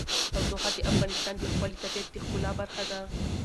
تودوخه د افغانستان د ښکلي طبیعت د ښکلا برخه ده.